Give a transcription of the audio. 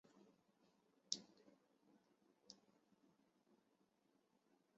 穿孔瘤胸蛛为皿蛛科瘤胸蛛属的动物。